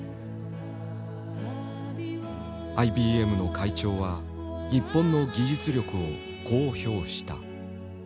ＩＢＭの会長は日本の技術力をこう評した。